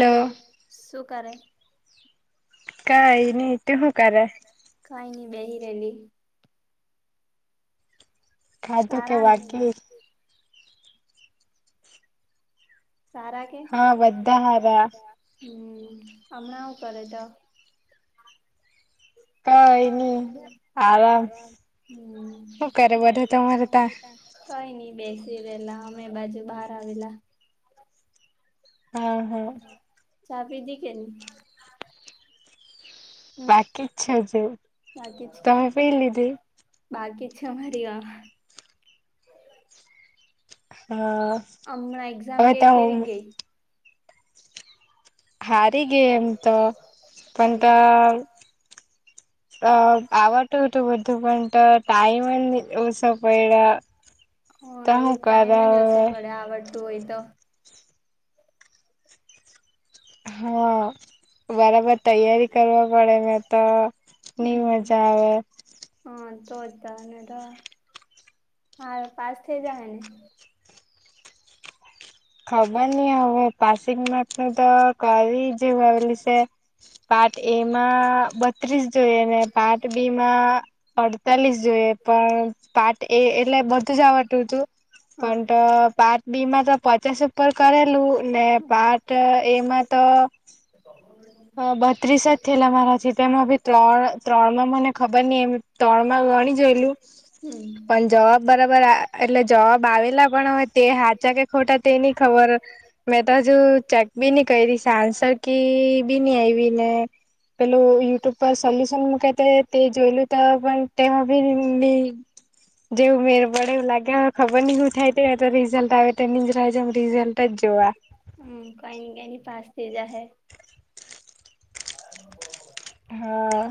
Hello શું કરે. કઈ નહી ત શું કરે. કઈ નની બેહિરેલી. ખાધો કે વાકી. સારા કે હા બજ. હમ હમણાં એું કરે તો. કઈ નહી આરામ. બરોબર તમારું ત કઈ નઈ બેસ બેસી રહેલા અમે બાજુ બહાર આવેલા. હા હા. ચા પીધી કે ન. બાકી જ છે જો તમે પી લીધી. બાકી છે મારીવા હા હો તો. હારી ગેમ તો પણ તો. અ આવતું હતું બધું પણ ટાઈમ જ ઓછો પડ્યો. હ એવું ટાઈમ જ ઓશો પડે આવડતું હોય તો હવા. બરાબર તૈયારી કરવા પડે મે તો નઈ મજા આવે. તો જ તો હ પાસ થઈ જને ખબર નઈ હવે પાસે. તો કરી જેવું આવેલું છે પાર્ટ એમાં બત્રીસ જોઈને પાર્ટ બી માં અડતાલીસ જોઈએ પણ પ એ એટલે બધું જ આવતું હતું પણ પાર્ટ બી માં તો પચાસ. ઉપર કરેલું ને પાર્ટ એમાં તો બત્રીસ જ થયલા મારાથી તેમાં ભી ત્રણ ત્રણમાં મને ખબર નઈ એમ ત્રણ માં પાણી જઈલું પણ જવાબ બરાબર એટલે જવાબ આવેલા પણ હય તે હાચા કે ખોટા તે નની ખબર. મેં તો હજુ ચેક બી ન કરી આન્સર ક બી નહી આવી ને. પેલું યુટ્યુબ પર સોલ્યુશન મૂક તે તે જોયેલું ત પણ તેમાં ભીની જે મેડે લાગે ખબર હો થાય રઝ્ટંગઝ હમ કોઈ ન કઈ ન પાસ ીજ હ હા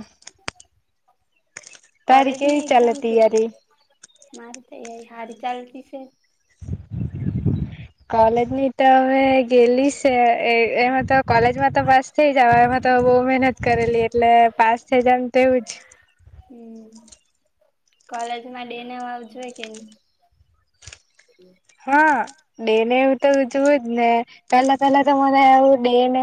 કોલેજ ની એક્ઝામ કેવી ગઈ મારી તો હારી ચાલતી છે કાલેજ એની તો હમે ગેલી છે એમાં તો કોલેજમાં તો પાસ થઈ જવા એમાં તો બહ મ કરેલી એટલે પાસ થઈ જમ તેવું જ હમ કોલેજમાં ડેને વાવ જો હોય કે નહી હમ હા બે ને એવું તો બ જોવું જ ને પેલા પેલા તો મને આવું દે ને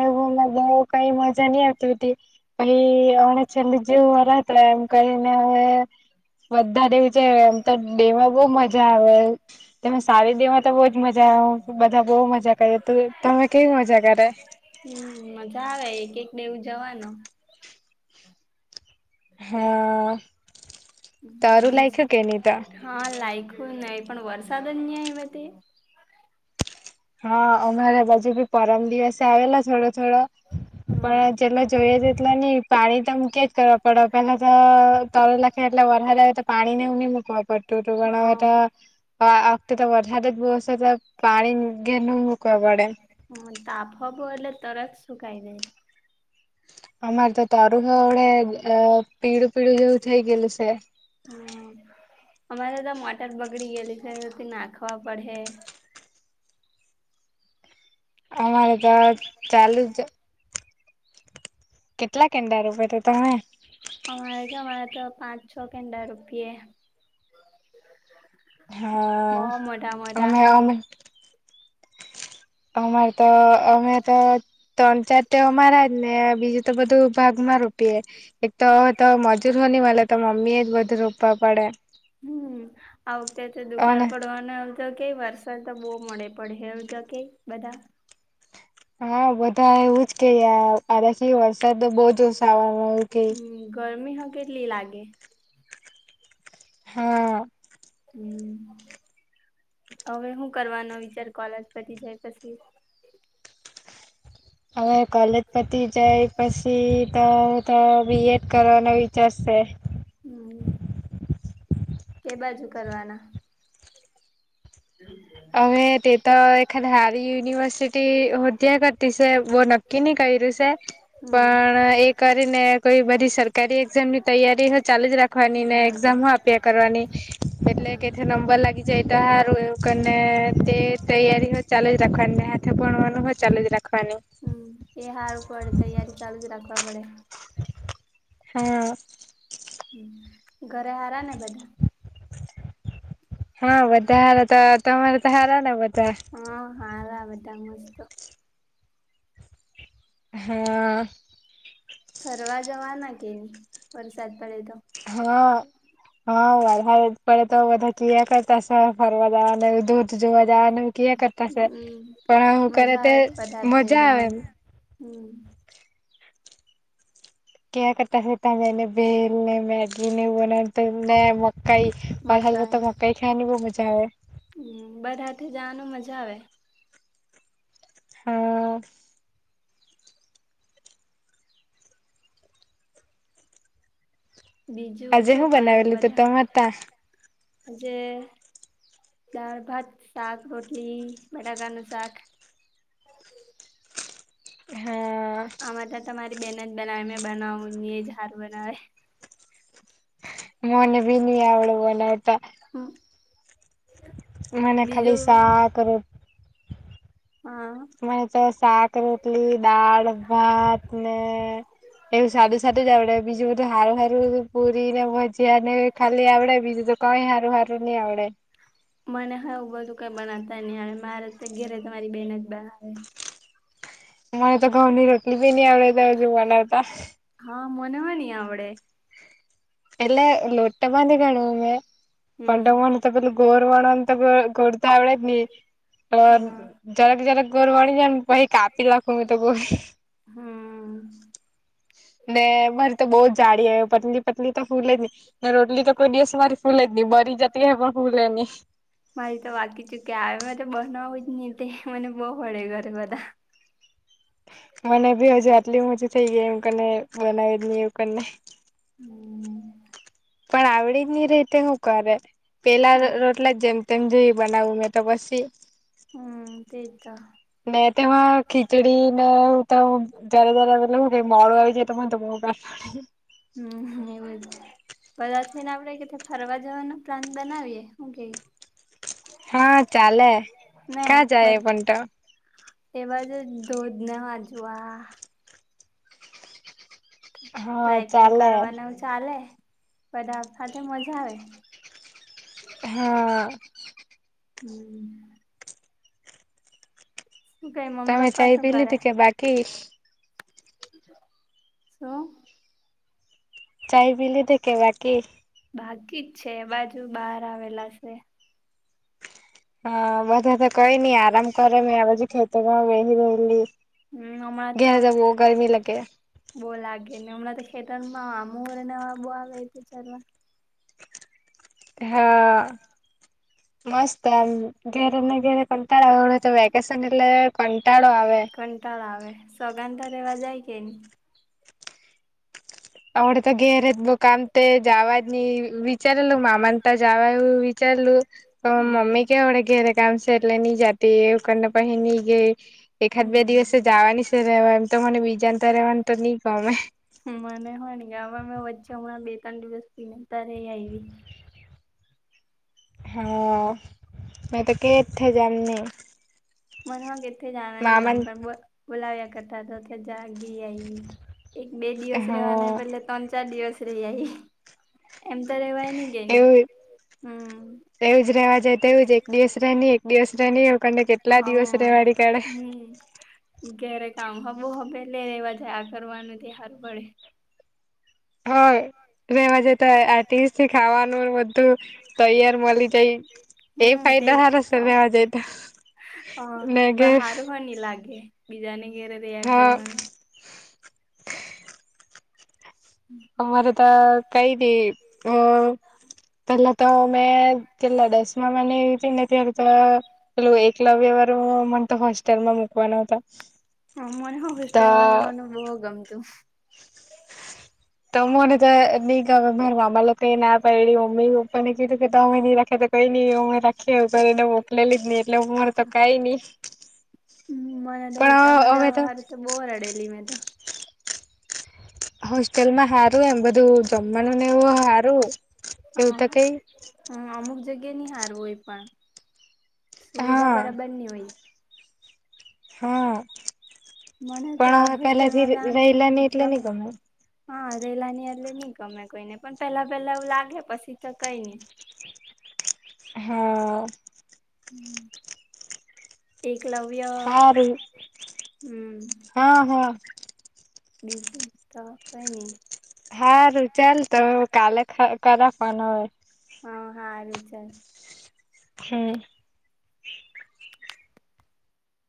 કઈ મજા નઈ આવતી હતી પી અણા છેલ્લું જેવું વારા હતા એમ કહીને હવે બધા દેવ છે એમ તો દેવા બહ મજા આવે સા દેમાં તો બહુજ મજા બધા બહુ મજા કરી ત તમે કેવી મજા કરે હમ મજા આવે એક એક જવાનો હા બીજ હા લાયકું નહી પણ વરસાાદ ન્યા એમતે હા અમારે બાજુ ભી પરમ દિવસે આવેલો થોડો થોડો પણ જેટલો જોઈએ એટલા નહી પાણી તમ કેજ કરવા પડે પેલા તો તર લખે એટલે વધારે તો પાણી નેવું નહી મૂકવા પડતું હતું પણ હવે વખતે તો વરસાદ જ બોસ તો પાણી ઘેનું હ તાપબો એટલે તરત શું કાઈ દે અમારે તો તરુ હ ઓડે અ [inaudible] હ અમારે તો મટર બગડી ગયેલી. [inaudible] થી નાખવા પડે. અમારે તો ચાલુ જ કેટલા કેંડા રૂપૈ તો તમે? અમારે કે અમારે તો પાંચ છે કેંદા રોપ્યે. હા અમે અમે, અમારે તો, અમે તો ત્રણ ચાર તે અમારાજ ને, બીજું તો બધું ભાગ માં રોપીએ. એક તો તો મજૂર હો નવાલે તો મમ્મી એ જ બધું રોપા હમ, આ વખતે તો દુકાળ પડવાનું આવુ કઈ વરસાદ તો બહુ મળે પડે. હેવું તો કઈ બધા હા, બધા એવું જ કે ય આથી વરસાદ બહૂ જ ઓસા આવવાનો કેય. કેટલી લાગે? હા, [unintelligible] હવે શું કરવાનો વિચાર, કોલેજ પતી જાય પછી? હવે કોલેજ પતી જાય પછી, તો હ તો બી. એડ. કરવાનો વિચારશે. [unintelligible] હમ કે બાજુ કરવાના? અવે તે તો એકાદ હારી યુનિવર્સિટી હોંધ્યા કર તસે વો નક્કી ન કઈ રસે પણ, એ કરીને કોઈ બધી સરકારી એક્ઝામ ની તૈયારી ચાલુ જ રાખવાની ને એક્ઝામ. હું આપ્યા કરવાની એટલે કે, નંબર લાગી જાય તો હારુ અને તે તૈયારી હો ચાલે જ રાખવાની, હાથે ભણવાનું હોય ચાલે જ રાખવાની. હમ એ સારું પડે, તૈયારી ચાલુ જ રાખવા પડે. હા. ઘરે હારા ને બધા.? હા બધા હારા. તો તમારે તો હારા ને બધા.? બધા મસ્ત! હા. ફરવા જવા ના કી નઈ વરસાદ પડે તો.? હા હા ભળ. [inaudible] પડે તો બધા કયા કરતાશે, ફરવા જ ધોધ જોવા જ કયા કરતાશે. પણ હું કરે તે મજા આવે એ. કેવા કરતા તજને બેલ ને મેગી એવુ ને બના તને મ કઈ મા હાલમાં તો મકાઈ ખાવાની બહુ મજા આવે. હ બધાથે જવાનું મજા આવે. હા. અઅ આજે હું બનાવેલી તો તમારે તા.? જે.? દાલ, ભાત, સાક, રોટલી. બટાકા નું શાક [unintelligible] આમાં તો તમારી બેન જ બનાવે મે બનાવું નહી એ હારું બનાવે. મોને બીન આવળું બોનવટા. હા. મને ખાલી શાક રોટ મ તો શાક રોટલી દાળ ભાત ને. એવું સાદુ સાદુ જ આવડે બીજું બધું હારું સારું પૂરી ને, ભજયા ને, ખાલી આવડે બીજું તો કઈ હારું હારું ની આવડે. મને હવું બધું કઈ બનાતા નહી આવે મારે તો ઘેરે તમારી બેહેન જ બનાવે. મને તો ઘઉંની રોટલી બી નહી આવડે તી બનાવાતા. હ મોનો બી ની યાવડે. [unintelligible] પંટ મોન તો પેલ ગોર વણ તો ગોર તો આવડે જ નહી. અ જરાક જરાક. ઘરવાળી જાય ને પછી કાપી રાખું મે તો બ. ને મારે તો બહુ જ જાળ પત્ની પત્ની તો ફૂલે જ હી. રોટલી તો કોઈ દિવસ મારી ફૂલે જ ન બરી જતી હ પણ ફૂલે ન. બાકી ચુ ક્યા મેરે બ. એતે મને બહ પડે ગર કધા. મને બી હજુ આટલી મોજ થઈ ગઈ એમ કને બનાવી એવું કને. પણ આવડ નની રેતે નકરે. પેલા રોટલા જેમ તેમ જોઈ બનાવું મેં તો પછી. હમ્મ તેતા. ના ત ખીચડી ના તમે દરા દરા મળવા છે, ત ત. [unintelligible] હમ્મ એવું. બધા થઈને આપડે ફરવા જવાનો પ્લાન બનાવીએ હું કેઈ. હા, ચાલે ક્યાં જાય પણ તો. એવાજ ધોધ ના વાજવા. ટ્રેકિંગ કરવાને હ ચાલે બધા સાથે મજા આવે. હા હમ્મ તમે ચહી પીલી ટિક બાકી, શું? ચાઈ પલી દ બાકી? બાકી જ છે, બાજુ બહાર આવેલા છે. હા, બધા તો કઈ નઈ આરામ કરે મે આ બાજુ ખેતર ઘ વહી રહેલી, હમ્મ હમણાં તો બહ લાગે ને હમણાં તો ખેતરમાં આમુંરે નવા બો આવે ચાલવા હા, મસ્તમ ઘેરે ન ગેરે પણ તાર કંટાળા આવે સોગતા રેવા જાય કેની આવડે તો ઘેર જ બ કામ તે જ અવાજની વિચારલું મામાતા જવા એવું વિચારલું, તો મમ્મી કેડ ઘરે કામ સાર લની જાતે એ કને પની જે એકા બે દિવસે જવાની છે, રહેવા એમ તો મને બીજાતા રહેવાનું તો નહી ગમે. મને હોણી ગયા હવે મેં વચ્ચે હણાં બે ત્રણ દિવસ પીને ત ર આવી હા, મે તો કે થ જામને મ હ કેથથે જાના ન ગમ પણ બુલાવ્યા કરઠા તો જ [unintelligible] આવી એક બે દિવસ રેવાને બદલે ત્રણ ચાર દિવસ રહી આવી એવું એવું જ રેવા જાય તેવું જ એક દિવસ ર ન એક દિવસ ન એ કને કેટલા દિવસ રહેેવાની કાઢે. ઘરે કામ હબો હબે લઈ લેવા જાય આ કરવાનું ત હાર પડે, હ રવાજ તો આર્ટિસ્ટ પછી ખાવાનું બધું તૈયાર મળી જાય, એ ફાયદા સાર સર લેવા જાય તો. હ પણ સારું પણ ન લાગે બીજાને ઘેરે તૈયાાર કરવાનું અમારે તો કઈ દ તો પેલા તો મેં કેટલા ડેસ ચષ્મા મ તને થર તો પેલું એકલવ્ય વાર હ મને તો હોસ્ટેલમાં મુકવાનાતા હ મને હુશ રહેવાનું બહુ ગમતું [unintelligible] તો મને તો નહી ગમે માર મામા લોકો ના પાડી મમ્મી પપ્ા ને કીધું કે તમે નહી રાખે તો કઈ. રાખી એવું કરીને મોકલેલીધ ને એટલે ઉરે તો કઈ નહી. હ મને તો હોસ્ટેલમાં જવા હાર તો બહુ રડેલી મેં તો. હોસ્ટેલ માં હારું એમ બધું જમવાનું ને એવું હારું. હ હમ અમુક જગ્યા નની હારવુંય પણ. સુવિધા બરાબરની હોય. હા પણ હ પેલાથી રેલા એટલે નહ ગમે. હા રેલા ની એટલે નઈ ગમે કોઈ નને પણ પેલા પેલા એવું લાગે પછી તો કઈ નઈ. હા. એક. હા રું હા હા. બીજું તો કઈ નઈ. હારું ચાલ તો કાલે કર ફન હોય. હા રુંચાર. હમ.